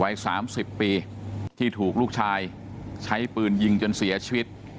วัย๓๐ปีที่ถูกลูกชายใช้ปืนยิงจนเสียชีวิต